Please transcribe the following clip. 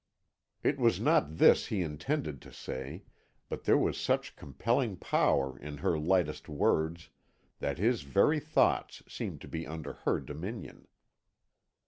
It was not this he intended to say, but there was such compelling power in her lightest words that his very thoughts seemed to be under her dominion.